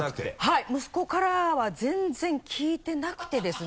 はい息子からは全然聞いてなくてですね。